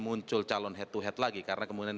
muncul calon head to head lagi karena kemudian